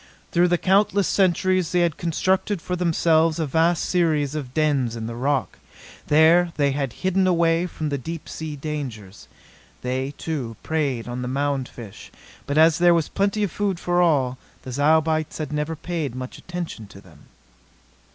Through the countless centuries they had constructed for themselves a vast series of dens in the rock. There they had hidden away from the deep sea dangers. They, too, preyed on the mound fish; but as there was plenty of food for all, the Zyobites had never paid much attention to them.